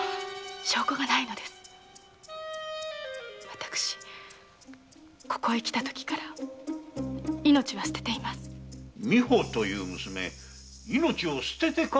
私ここへ来たときから命は捨てています美保という娘命を捨ててかかっておりますな。